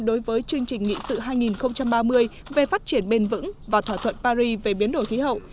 đối với chương trình nghị sự hai nghìn ba mươi về phát triển bền vững và thỏa thuận paris về biến đổi khí hậu